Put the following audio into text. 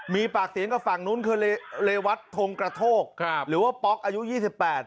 มีปากเสียงกับฝั่งนู้นคือเรวัตทงกระโทกครับหรือว่าป๊อกอายุยี่สิบแปด